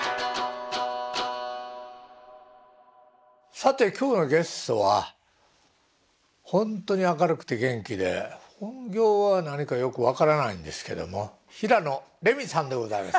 さて今日のゲストは本当に明るくて元気で本業は何かよく分からないんですけども平野レミさんでございます。